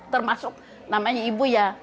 termasuk namanya ibu ya